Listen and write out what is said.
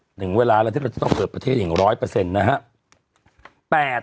หนึ่งเวลาแล้วที่เราจะต้องเปิดประเทศอย่างร้อยเปอร์เซ็นต์นะฮะ